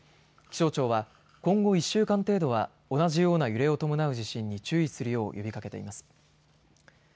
気象庁は今後１週間程度は同じような揺れを伴う地震に注意するよう呼びかけています。